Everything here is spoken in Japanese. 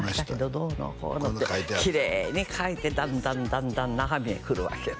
どうのこうのってきれいに書いてだんだんだんだん中身へくるわけよ